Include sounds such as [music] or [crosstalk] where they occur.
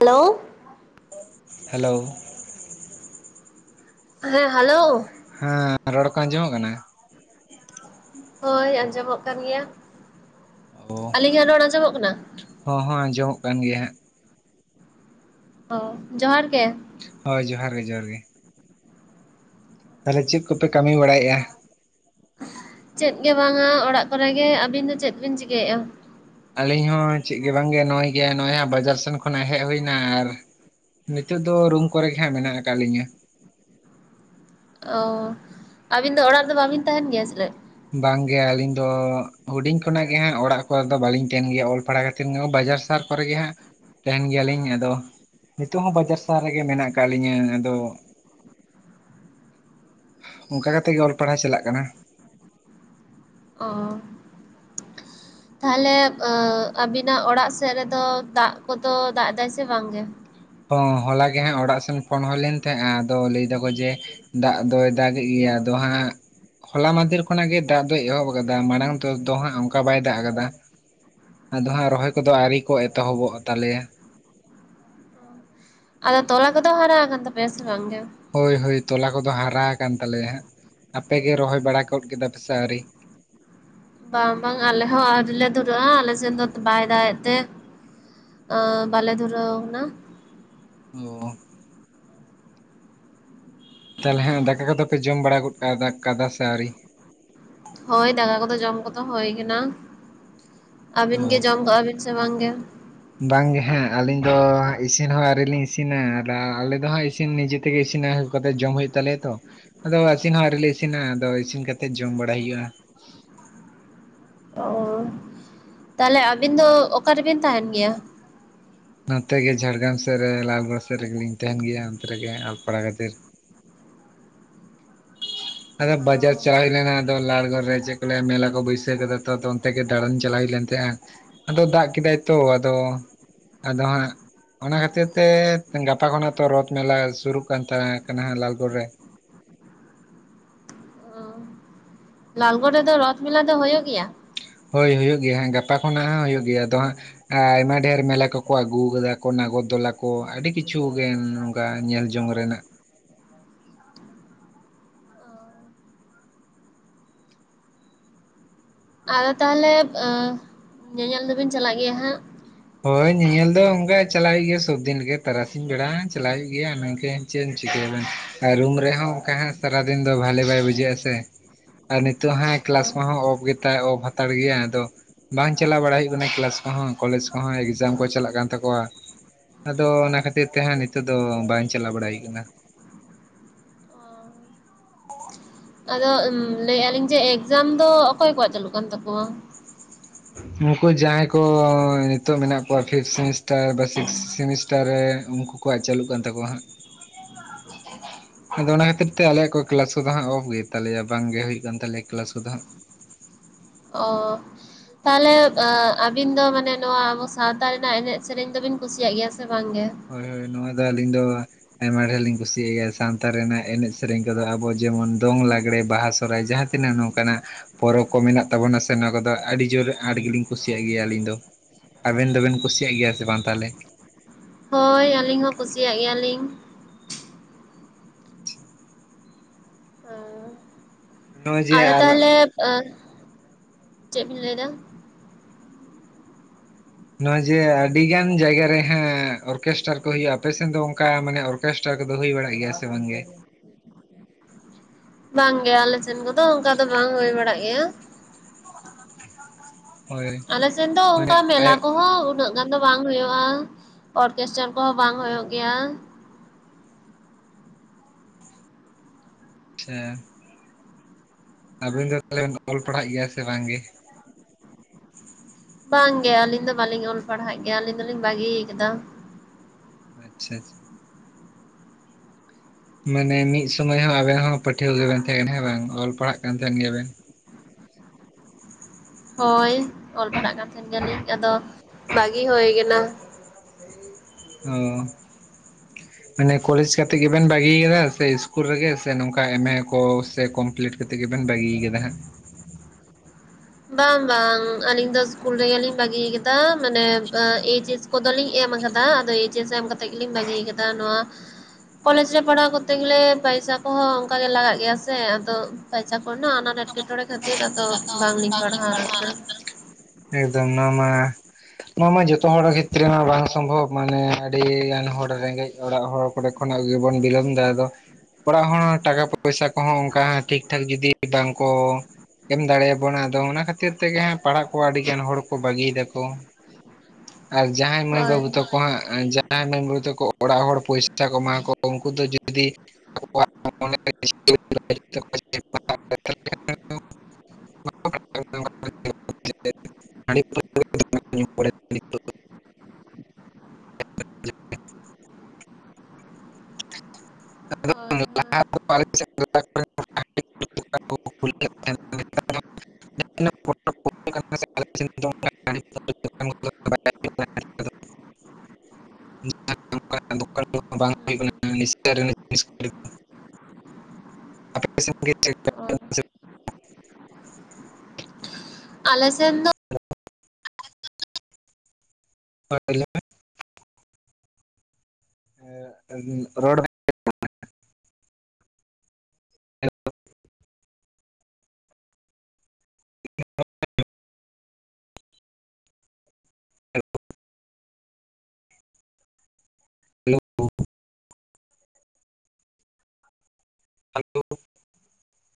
Hello hello ᱦᱮᱸ hello ᱦᱮᱸ ᱨᱚᱲ ᱠᱚ ᱟᱸᱡᱚᱢᱚᱜ ᱠᱟᱱᱟ ᱦᱳᱭ ᱟᱸᱡᱚᱢᱚᱜ ᱠᱟᱱ ᱜᱮᱭᱟ ᱾ ᱚ ᱟᱹᱞᱤᱧᱟᱜ ᱨᱚᱲ ᱟᱸᱡᱚᱢᱚᱜ ᱠᱟᱱᱟ? ᱦᱚᱸ ᱦᱚᱸ ᱟᱸᱡᱚᱢᱚᱜ ᱠᱟᱱ ᱜᱮᱭᱟ ᱦᱟᱸᱜ ᱾ ᱚ ᱡᱚᱦᱟᱨ ᱜᱮ ᱾ ᱦᱳᱭ ᱡᱚᱦᱟᱨ ᱜᱮ ᱡᱚᱦᱟᱨ ᱜᱮ ᱛᱟᱦᱚᱞᱮ ᱪᱮᱫ ᱠᱚᱯᱮ ᱠᱟᱹᱢᱤ ᱵᱟᱲᱟᱭᱮᱫᱼᱟ? ᱪᱮᱫ ᱜᱮ ᱵᱟᱝᱟ ᱚᱲᱟᱜ ᱠᱚᱨᱮ ᱜᱮ ᱟᱵᱮᱱ ᱫᱚ ᱪᱮᱫ ᱵᱮᱱ ᱪᱤᱠᱟᱹᱭᱮᱫᱟ ᱾ ᱟᱹᱞᱤᱧ ᱦᱚᱸ ᱪᱮᱫ ᱜᱮ ᱵᱟᱝᱜᱮ ᱱᱚᱜ-ᱚᱭ ᱜᱮᱭᱟ ᱱᱚᱜᱼᱚᱭ ᱦᱟᱸᱜ ᱵᱟᱡᱟᱨ ᱥᱮᱱ ᱠᱷᱚᱱᱟᱜ ᱦᱮᱡ ᱦᱩᱭᱱᱟ ᱟᱨ ᱱᱤᱛᱚᱜ ᱫᱚ ᱨᱩᱢ ᱠᱚᱨᱮ ᱜᱮ ᱦᱟᱸᱜ ᱢᱮᱱᱟᱜ ᱟᱠᱟᱫ ᱞᱤᱧᱟᱹ ᱚ ᱟᱵᱮᱱ ᱫᱚ ᱚᱲᱟᱜ ᱨᱮᱫᱚ ᱵᱟᱵᱮᱱ ᱛᱟᱦᱮᱱ ᱜᱮᱭᱟ ᱥᱮᱪᱮᱫ? ᱵᱟᱝ ᱜᱮ ᱟᱹᱞᱤᱧ ᱫᱚ ᱦᱩᱰᱤᱧ ᱠᱷᱚᱱᱟᱜ ᱜᱮᱦᱟᱸᱜ ᱚᱲᱟᱜ ᱠᱚᱨᱮ ᱫᱚ ᱵᱟᱹᱞᱤᱧ ᱛᱟᱦᱮᱱ ᱜᱮᱭᱟ ᱚᱞ ᱯᱟᱲᱦᱟᱣ ᱠᱟᱛᱮᱜ ᱵᱟᱡᱟᱨ ᱥᱟᱦᱟᱨ ᱠᱚᱨᱮ ᱜᱮ ᱦᱟᱸᱜ ᱛᱟᱦᱮᱱ ᱜᱮᱭᱟᱞᱤᱧ ᱟᱫᱚ ᱾ ᱱᱤᱛᱚᱜ ᱦᱚᱸ ᱵᱟᱡᱟᱨ ᱥᱟᱦᱟᱨ ᱨᱮᱜᱮ ᱢᱮᱱᱟᱜ ᱟᱠᱟᱫ ᱞᱤᱧᱟᱹ ᱟᱫᱚ ᱚᱱᱠᱟ ᱠᱟᱛᱮᱜ ᱜᱮ ᱚᱞ ᱯᱟᱲᱦᱟᱣ ᱪᱟᱞᱟᱜ ᱠᱟᱱᱟ ᱾ ᱚ ᱛᱟᱦᱚᱞᱮ ᱟᱵᱮᱱᱟᱜ ᱚᱲᱟᱜ ᱥᱮᱫ ᱨᱮᱫᱚ ᱫᱟᱜ ᱠᱚᱫᱚ ᱫᱟᱜ ᱮᱫᱟᱭ ᱥᱮ ᱵᱟᱝᱜᱮ ᱾ ᱦᱚᱸ ᱦᱚᱞᱟ ᱜᱮ ᱦᱟᱸᱜ ᱚᱲᱟᱜ ᱥᱮᱱ ᱯᱷᱚᱱ ᱦᱩᱭ ᱞᱮᱱ ᱛᱟᱦᱮᱸᱜᱼᱟ ᱟᱫᱚ ᱞᱟᱹᱭ ᱮᱫᱟᱠᱚ ᱡᱮ ᱫᱟᱜ ᱫᱚᱭ ᱫᱟᱜ ᱮᱫ ᱜᱮᱭᱟ ᱟᱫᱚ ᱦᱟᱸᱜ ᱾ ᱦᱚᱞᱟ ᱢᱟᱫᱷᱮᱨ ᱠᱷᱚᱱᱟᱜ ᱜᱮ ᱫᱟᱜ ᱫᱚᱭ ᱮᱦᱚᱵ ᱟᱠᱟᱫᱟ ᱢᱟᱲᱟᱝ ᱫᱚ ᱫᱚ ᱦᱟᱸᱜ ᱚᱱᱠᱟ ᱵᱟᱭ ᱫᱟᱜ ᱟᱠᱟᱫᱟ ᱾ ᱟᱫᱚ ᱦᱟᱸᱜ ᱨᱚᱦᱚᱭ ᱠᱚᱫᱚ ᱟᱹᱣᱨᱤ ᱠᱚ ᱮᱛᱚᱦᱚᱵᱚᱜᱼᱟ ᱛᱟᱞᱮᱭᱟ ᱾ ᱟᱫᱚ ᱛᱚᱞᱟ ᱠᱟ ᱫᱚ ᱦᱟᱨᱟᱼᱠᱟᱱ ᱛᱟᱯᱮ ᱥᱮ ᱵᱟᱝ ᱜᱮ? ᱦᱳᱭ ᱦᱳᱭ ᱛᱚᱞᱟ ᱠᱚᱫᱚ ᱦᱟᱨᱟ ᱟᱠᱟᱱ ᱛᱟᱞᱮᱭᱟ ᱦᱟᱸᱜ ᱾ ᱟᱯᱮ ᱜᱮ ᱨᱚᱦᱚᱭ ᱵᱟᱲᱟ ᱜᱚᱫ ᱠᱮᱫᱟ ᱯᱮᱥᱮ ᱟᱹᱣᱨᱤ? ᱵᱟᱝ ᱵᱟᱝ ᱟᱞᱮ ᱦᱚᱸ ᱟᱹᱣᱨᱤ ᱞᱮ ᱫᱷᱩᱨᱟᱹᱜᱼᱟ ᱟᱞᱮ ᱥᱮᱱ ᱫᱚ ᱵᱟᱭ ᱫᱟᱜ ᱮᱫ ᱛᱮ ᱵᱟᱞᱮ ᱫᱷᱩᱨᱟᱹᱣ ᱮᱱᱟ ᱾ ᱦᱚᱸ ᱛᱟᱦᱚᱞᱮ ᱦᱮᱸ ᱫᱟᱠᱟ ᱠᱚᱫᱚ ᱯᱮ ᱡᱚᱢ ᱵᱟᱲᱟ ᱜᱚᱫ ᱠᱟᱫᱟ ᱫᱟ ᱠᱟᱫᱟ ᱥᱮ ᱟᱹᱣᱨᱤ ᱦᱳᱭ ᱫᱟᱠᱟ ᱠᱚᱫᱚ ᱡᱚᱢ ᱠᱚᱫᱚ ᱦᱳᱭ ᱠᱟᱱᱟ ᱾ ᱟᱵᱮᱱ ᱚ ᱜᱮ ᱡᱚᱢ ᱠᱟᱜᱼᱟ ᱵᱮᱱ ᱥᱮ ᱵᱟᱝᱜᱮ ᱵᱟᱝᱜᱮ ᱦᱟᱸᱜ ᱟᱹᱞᱤᱧ ᱫᱚ ᱤᱥᱤᱱ ᱦᱚᱸ ᱟᱹᱣᱨᱤᱞᱤᱧ ᱤᱥᱤᱱᱟ ᱟᱫᱚ ᱟᱞᱮ ᱫᱚ ᱦᱟᱸᱜ ᱤᱥᱤᱱ ᱱᱤᱡᱮ ᱛᱮᱜᱮ ᱤᱥᱤᱱᱟ [unintelligible] ᱠᱟᱛᱮ ᱡᱚᱢ ᱦᱩᱭᱩᱜ ᱛᱟᱞᱮᱭᱟ ᱛᱚ ᱟᱫᱚ ᱤᱥᱤᱱ ᱦᱚᱸ ᱟᱣᱨᱤ ᱞᱮ ᱤᱥᱤᱱᱟ ᱟᱫᱚ ᱤᱥᱤᱱ ᱠᱟᱛᱮᱜ ᱡᱚᱢ ᱵᱟᱲᱟᱭ ᱦᱩᱭᱩᱜᱼᱟ ᱚ ᱛᱟᱦᱚᱞᱮ ᱟᱵᱮᱱ ᱫᱚ ᱚᱠᱟ ᱨᱮᱵᱮᱱ ᱛᱟᱦᱮᱱ ᱜᱮᱭᱟ ᱾ ᱱᱚᱛᱮ ᱜᱮ ᱡᱷᱟᱲᱜᱨᱟᱢ ᱥᱮᱫ ᱨᱮ ᱞᱟᱞᱜᱚᱲᱟ ᱥᱮᱫ ᱨᱮᱜᱮᱞᱤᱧ ᱛᱟᱦᱮᱱ ᱜᱮᱭᱟ ᱚᱱᱛᱮ ᱨᱮᱜᱮ ᱚᱞ ᱯᱟᱲᱦᱟᱣ ᱠᱷᱟᱹᱛᱤᱨ ᱟᱫᱚ ᱵᱡᱟᱨ ᱪᱟᱞᱟᱣ ᱦᱳᱭ ᱞᱮᱱᱟ ᱟᱫᱚ ᱞᱟᱞ ᱜᱚᱲ ᱨᱮ ᱪᱮᱫ ᱢᱮᱞᱟ ᱠᱚ ᱵᱟᱹᱭᱥᱟᱹᱣ ᱠᱟᱫᱟ ᱛᱚ ᱚᱱᱛᱮ ᱜᱮ ᱫᱟᱬᱟᱱ ᱪᱟᱞᱟ ᱦᱩᱭ ᱞᱮᱱ ᱛᱟᱦᱮᱸ-ᱟ ᱟᱫᱚ ᱫᱟᱜ ᱠᱮᱫᱟᱭ ᱛᱚ ᱟᱫᱚ ᱟᱫᱚ ᱦᱟᱸᱜ ᱾ ᱚᱱᱟ ᱠᱷᱟᱹᱛᱤᱨ ᱛᱮ ᱜᱟᱯᱟ ᱠᱷᱚᱱᱟᱜ ᱛᱚ ᱨᱚᱛᱷ ᱢᱮᱞᱟ ᱥᱩᱨᱩᱜ ᱠᱟᱱ ᱛᱟᱦᱮᱸ ᱠᱟᱱᱟ ᱞᱟᱞᱜᱳᱲ ᱨᱮ ᱚ ᱞᱟᱞᱜᱚᱲ ᱨᱮᱫᱚ ᱨᱚᱛᱷ ᱢᱮᱞᱟ ᱫᱚ ᱦᱩᱭᱩᱜ ᱜᱮᱭᱟ ᱾ ᱦᱳᱭ ᱦᱩᱭᱩᱜ ᱜᱮᱭᱟ ᱜᱟᱯᱟ ᱠᱷᱚᱱᱟᱜ ᱦᱟᱸᱜ ᱦᱩᱭᱩᱜ ᱜᱮᱭᱟ ᱟᱫᱚ ᱦᱟᱸᱜ ᱟᱭᱢᱟ ᱰᱷᱮᱨ ᱢᱮᱞᱟ ᱠᱚᱠᱚ ᱟᱹᱜᱩ ᱠᱟᱫᱟ ᱠᱚ ᱱᱟᱜᱚᱫ ᱫᱚᱞᱟ ᱠᱚ ᱟᱹᱰᱤ ᱠᱤᱪᱷᱩ ᱜᱮ ᱚᱱᱠᱟ ᱧᱮᱞ ᱡᱚᱝ ᱨᱮᱱᱟᱜ ᱟᱫᱚ ᱛᱟᱦᱚᱞᱮ ᱧᱮᱧᱮᱞ ᱫᱚᱵᱤᱱ ᱪᱟᱞᱟᱜ ᱜᱮᱭᱟ ᱦᱟᱸᱜ? ᱦᱳᱭ ᱧᱮᱧᱮᱞ ᱫᱚ ᱚᱱᱠᱟ ᱪᱟᱞᱟᱜ ᱦᱩᱭᱩᱜ ᱜᱮᱭᱟ ᱥᱚᱵᱫᱤᱱ ᱜᱮ ᱛᱟᱨᱟᱥᱤᱧ ᱵᱮᱲᱟ ᱪᱟᱞᱟᱜ ᱦᱩᱭᱩᱜ ᱜᱮᱭᱟ ᱱᱤᱝᱠᱟ᱾ ᱪᱮᱫ ᱮᱢ ᱪᱤᱠᱟᱹᱭᱟ ᱵᱟᱝ ᱟᱨ ᱨᱩᱢ ᱨᱮᱦᱚᱸ ᱚᱱᱠᱟ ᱦᱟᱸᱜ ᱥᱟᱨᱟ ᱫᱤᱱ ᱫᱚ ᱵᱷᱟᱞᱮ ᱵᱟᱭ ᱵᱩᱡᱷᱟᱹᱜᱼᱟ ᱥᱮ᱾ ᱦ [inaudible] ᱟᱨ ᱱᱤᱛᱚᱜ ᱦᱟᱸᱜ ᱠᱮᱞᱟᱥ ᱦᱚᱸ ᱚᱯᱷ ᱜᱮ ᱚᱯᱷ ᱦᱟᱛᱟᱲ ᱜᱮᱭᱟ ᱟᱫᱚ ᱵᱟᱝ ᱪᱟᱞᱟᱣ ᱵᱟᱲᱟ ᱦᱩᱭᱩᱜ ᱠᱟᱱᱟ ᱠᱮᱞᱟᱥ ᱠᱚᱦᱚᱸ ᱠᱚᱞᱮᱡᱽ ᱮᱠᱡᱟᱢ ᱠᱚ ᱪᱟᱞᱟᱜ ᱠᱟᱱ ᱛᱟᱠᱚᱣᱟ ᱾ ᱟᱫᱚ ᱚᱱᱟ ᱠᱷᱟᱹᱛᱤᱨ ᱛᱮ ᱦᱟᱸᱜ ᱱᱤᱛᱚᱜ ᱫᱚ ᱵᱟᱝ ᱪᱟᱞᱟᱣ ᱵᱟᱲᱟᱭ ᱦᱩᱭᱩᱜ ᱠᱟᱱᱟ ᱾ ᱟᱫᱚ ᱞᱟᱹᱭᱮᱫ ᱟᱞᱤᱧ ᱡᱮ ᱮᱠᱡᱟᱢ ᱫᱚ ᱚᱠᱚᱭ ᱠᱚᱣᱟᱜ ᱪᱟᱹᱞᱩᱜ ᱠᱟᱱ ᱛᱟᱠᱚᱣᱟ ᱾ [inaudible] ᱩᱱᱠᱩ ᱡᱟᱦᱟᱸᱭ ᱠᱚ ᱱᱤᱛᱚᱜ ᱢᱮᱱᱟᱜ ᱠᱚᱣᱟ ᱯᱷᱤᱯᱛᱷ ᱥᱮᱢᱤᱥᱴᱟᱨ ᱵᱟ ᱥᱤᱠᱥ ᱥᱮᱢᱤᱥᱴᱟᱨ ᱨᱮ ᱩᱱᱠᱩ ᱠᱚᱣᱟᱜ ᱪᱟᱹᱞᱩᱜ ᱠᱟᱱ ᱛᱟᱠᱚᱣᱟ ᱦᱟᱸᱜ [inaudible] ᱟᱫᱚ ᱚᱱᱟ ᱠᱷᱟᱹᱛᱤᱨ ᱛᱮ ᱟᱞᱮᱭᱟᱜ ᱠᱚ ᱠᱞᱟᱥ ᱠᱚᱫᱚ ᱦᱟᱸᱜ ᱚᱯᱷ ᱜᱮᱛᱟᱞᱮᱭᱟ ᱵᱟᱝᱜᱮ ᱦᱩᱭᱩᱜ ᱠᱟᱱ ᱛᱟᱞᱮᱭᱟ ᱠᱞᱟᱥ ᱠᱚᱫᱚ ᱦᱟᱸᱜ᱾ ᱚ ᱛᱟᱦᱚᱞᱮ, ᱟᱵᱤᱱ ᱫᱚ ᱢᱟᱱᱮ ᱱᱚᱣᱟ ᱟᱵᱚ ᱥᱟᱶᱛᱟ ᱨᱮᱱᱟᱜ ᱮᱱᱮᱡ ᱥᱮᱨᱮᱧ ᱫᱚᱵᱤᱱ ᱠᱩᱥᱤᱭᱟᱜ ᱜᱮᱭᱟ ᱥᱮ ᱵᱟᱝ ᱜᱮ? ᱦᱳᱭ ᱦᱳᱭ ᱱᱚᱣᱟ ᱫᱚ ᱟᱹᱞᱤᱧ ᱫᱚ ᱟᱭᱢᱟ ᱰᱷᱮᱨ ᱞᱤᱧ ᱠᱩᱥᱤᱭᱟᱜ ᱜᱮᱭᱟ ᱥᱟᱶᱛᱟ ᱨᱮᱱᱟᱜ ᱮᱱᱮᱡ ᱥᱮᱨᱮᱧ ᱠᱚᱫᱚ ᱟᱵᱚ ᱡᱮᱢᱚᱱ ᱫᱚᱝ ᱞᱟᱜᱽᱲᱮ ᱵᱟᱦᱟ ᱥᱚᱨᱦᱟᱭ ᱡᱟᱦᱟᱸ ᱛᱤᱱᱟᱹᱜ ᱱᱚᱝᱠᱟᱱᱟᱜ ᱯᱚᱨᱚᱵᱽ ᱠᱚ ᱢᱮᱱᱟᱜ ᱛᱟᱵᱚᱱᱟ ᱥᱮ ᱱᱚᱣᱟ ᱠᱚᱫᱚ ᱟᱹᱰᱤ ᱡᱳᱨ ᱟᱸᱴ ᱜᱮᱞᱤᱧ ᱠᱩᱥᱤᱭᱟᱜ ᱜᱮᱭᱟ ᱟᱹᱞᱤᱧ ᱫᱚ᱾ ᱟᱵᱮᱱ ᱫᱚᱵᱮᱱ ᱠᱩᱥᱤᱭᱟᱜ ᱜᱮᱭᱟ ᱥᱮ ᱵᱟᱝ ᱛᱟᱦᱚᱞᱮ? ᱦᱳᱭ ᱟᱹᱞᱤᱧ ᱦᱚᱸ ᱠᱩᱥᱤᱭᱟᱜ ᱜᱮᱭᱟᱞᱤᱧ᱾ ᱱᱚᱜᱼᱚᱭ ᱚᱸ ᱡᱮ ᱟᱫᱚ ᱟᱨ ᱛᱟᱦᱚᱞᱮ ᱟᱸ ᱪᱮᱫ ᱵᱤᱱ ᱞᱟᱹᱭ ᱫᱟ? ᱱᱚᱭ ᱡᱮ ᱟᱹᱰᱤ ᱜᱟᱱ ᱡᱟᱭᱜᱟ ᱨᱮ ᱦᱟᱸᱜ ᱚᱨᱠᱮᱥᱴᱟᱨ ᱠᱚ ᱦᱩᱭᱩᱜᱼᱟ, ᱟᱯᱮᱥᱮᱱ ᱫᱚ ᱚᱱᱠᱟ ᱢᱟᱱᱮ ᱚᱨ ᱠᱮᱥᱴᱟᱨ ᱠᱚᱫᱚ ᱦᱩᱭ ᱵᱟᱲᱟᱜ ᱜᱮᱭᱟ ᱥᱮ ᱵᱟᱝᱜᱮ? ᱵᱟᱝ ᱜᱮ, ᱟᱞᱮ ᱥᱮᱱ ᱠᱚᱫᱚ ᱚᱱᱠᱟ ᱫᱚ ᱵᱟᱝ ᱦᱩᱭ ᱵᱟᱲᱟᱜ ᱜᱮᱭᱟ᱾ ᱦᱳᱭ ᱟᱞᱮ ᱥᱮᱱ ᱫᱚ ᱢᱟᱱᱮ ᱚᱝᱠᱟ ᱟᱭ ᱢᱮᱞᱟ ᱠᱚᱦᱚᱸ ᱩᱱᱟᱹᱜ ᱜᱟᱱ ᱫᱚ ᱵᱟᱝ ᱦᱩᱭᱩᱜᱼᱟ, ᱚᱨᱠᱮᱥᱴᱟᱨ ᱠᱚᱦᱚᱸ ᱵᱟᱝ ᱦᱩᱭᱩᱜ ᱜᱮᱭᱟ᱾ ᱟᱪᱪᱷᱟ ᱟᱵᱤᱱ ᱫᱚ ᱛᱷᱟᱞᱮ ᱵᱤᱱ ᱚᱞ ᱯᱟᱲᱦᱟᱜ ᱜᱮᱭᱟ ᱥᱮ ᱵᱟᱝᱜᱮ? ᱵᱟᱝ ᱜᱮ, ᱟᱹᱞᱤᱧ ᱫᱚ ᱵᱟᱞᱤᱧ ᱚᱞ ᱯᱟᱲᱦᱟᱜ ᱜᱮᱭᱟ ᱟᱹᱞᱤᱧ ᱫᱚᱞᱤᱧ ᱵᱟᱜᱤᱭ ᱠᱟᱫᱟ᱾ ᱟᱪᱪᱷᱟ ᱟᱪᱷᱟ ᱢᱟᱱᱮ ᱢᱤᱫ ᱥᱳᱢᱚᱭ ᱦᱚᱸ ᱟᱵᱮᱱ ᱦᱚᱸ ᱯᱟᱹᱴᱷᱣᱟᱹ ᱜᱮᱵᱮᱱ ᱛᱟᱦᱮᱸ ᱠᱟᱱᱟ ᱦᱮᱸ ᱵᱟᱝ ᱚᱞ ᱯᱟᱲᱦᱟᱜ ᱠᱟᱱ ᱛᱟᱦᱮᱸᱱ ᱜᱮᱭᱟ ᱵᱮᱱ᱾ ᱦᱳᱭ ᱚᱞ ᱯᱟᱲᱦᱟᱜ ᱠᱟᱱ ᱛᱟᱦᱮᱱ ᱜᱮᱭᱟᱞᱤᱧ ᱟᱫᱚ ᱵᱟᱜᱤ ᱦᱩᱭ ᱠᱟᱱᱟ᱾ ᱚ, ᱢᱟᱱᱮ ᱠᱚᱞᱮᱡᱽ ᱠᱟᱛᱮ ᱜᱮ? ᱵᱮᱱ ᱵᱟᱹᱜᱤᱭ ᱠᱟᱫᱟ ᱥᱮ ᱤᱥᱠᱩᱞ ᱨᱮᱜᱮ ᱥᱮ ᱱᱚᱝᱠᱟ ᱮᱢ ᱮ ᱠᱚ ᱥᱮ ᱠᱚᱢᱯᱞᱤᱴ ᱠᱟᱛᱮᱜ ᱜᱮᱵᱮᱱ ᱵᱟᱹᱜᱤᱭ ᱠᱟᱫᱟ ᱦᱟᱸᱜ? ᱵᱟᱝ ᱵᱟᱝ, ᱟᱹᱞᱤᱧ ᱫᱚ ᱥᱠᱩᱞ ᱨᱮᱜᱮᱞᱤᱧ ᱵᱟᱹᱜᱤᱭ ᱠᱟᱫᱟ ᱢᱟᱱᱮ ᱮᱭᱪ ᱮᱥ ᱠᱚᱫᱚ ᱞᱤᱧ ᱮᱢ ᱟᱠᱟᱫᱟ ᱟᱫᱚ ᱮᱭᱤᱪ ᱮᱥ ᱮᱢ ᱠᱟᱛᱮᱫ ᱜᱮᱞᱤᱧ ᱵᱟᱹᱜᱤᱭ ᱠᱟᱫᱟ ᱱᱚᱣᱟ ᱠᱚᱞᱮᱡᱽ ᱨᱮ ᱯᱟᱲᱦᱟᱣ ᱠᱚᱨᱛᱮ ᱜᱮᱞᱮ ᱯᱟᱭᱥᱟ ᱠᱚᱦᱚᱸ ᱚᱝᱠᱟ ᱜᱮ ᱞᱟᱜᱟᱜ ᱜᱮᱭᱟ ᱥᱮ ᱟᱫᱚ ᱯᱟᱭᱥᱟ ᱠᱚᱨᱮᱱᱟᱜ ᱟᱱᱟᱴ ᱮᱸᱴᱠᱮᱴᱚᱬᱮ ᱠᱷᱟᱹᱛᱤᱨ ᱟᱫᱚ ᱵᱟᱝᱞᱤᱧ ᱯᱟᱲᱦᱟᱣ ᱠᱟᱱᱟ᱾ ᱮᱠᱫᱚᱢ ᱱᱚᱣᱟ ᱢᱟ ᱱᱚᱣᱟ ᱢᱟ ᱡᱚᱛᱚ ᱦᱚᱲ ᱠᱷᱮᱛᱨᱮ ᱢᱟ ᱵᱟᱝ ᱥᱚᱢᱵᱷᱚᱵ ᱢᱟᱱᱮ ᱟᱹᱰᱤᱜᱟᱱ ᱦᱚᱲ ᱨᱮᱸᱜᱮᱡᱽ ᱚᱲᱟᱜ ᱦᱳᱠ ᱠᱚᱨᱮ ᱠᱷᱚᱱᱟᱜ ᱜᱮᱵᱚᱱ ᱵᱤᱞᱚᱢ ᱫᱟ ᱟᱫᱚ ᱚᱲᱟᱜ ᱦᱚᱲ ᱦᱚᱸ ᱴᱟᱠᱟ ᱯᱚᱭᱥᱟ ᱠᱚᱦᱚᱸ ᱚᱱᱠᱟ ᱦᱟᱸᱜ ᱴᱷᱤᱠ ᱴᱷᱟᱠ ᱡᱩᱫᱤ ᱵᱟᱝᱠᱚ ᱮᱢ ᱫᱟᱲᱮᱭᱟᱵᱚᱱᱟ ᱟᱫᱚ ᱚᱱᱟ ᱠᱷᱟᱹᱛᱤᱨ ᱛᱮᱜᱮ ᱦᱟᱸᱜ ᱯᱟᱲᱟᱜ ᱠᱚ ᱟᱹᱰᱤᱜᱟᱱ ᱦᱚᱲ ᱠᱚ ᱵᱟᱹᱜᱤᱭ ᱫᱟᱠᱚ ᱟᱨ ᱡᱟᱦᱟᱸᱭ ᱢᱟᱹᱭ ᱦᱳᱭ ᱵᱟᱹᱵᱩ ᱛᱟᱠᱚ ᱦᱟᱸᱜ ᱡᱟᱦᱟᱭ ᱢᱮᱢᱜᱩᱨᱩ ᱛᱟᱠᱚ ᱚᱲᱟᱜ ᱦᱚᱲ ᱯᱚᱭᱥᱟ ᱠᱚ ᱮᱢᱟ ᱠᱚᱣᱟ ᱩᱱᱠᱩ ᱫᱚ ᱡᱩᱫᱤ [inaudible] ᱫᱚ [inaudible] ᱱᱤᱛᱚᱜ ᱦᱳᱭ ᱦᱳᱭ [unintelligible] [inaudible] [unintelligible] [unintelligible] [inaudible] ᱟᱞᱮ ᱥᱮᱱ ᱫᱚ [inaudible] [inaudible] [inaudible] [inaudible]